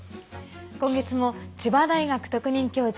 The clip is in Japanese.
今月も千葉大学特任教授